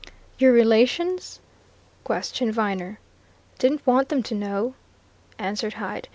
"Your relations?" questioned Viner. "Didn't want them to know," answered Hyde.